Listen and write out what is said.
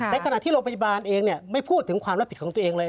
ขณะที่โรงพยาบาลเองไม่พูดถึงความรับผิดของตัวเองเลย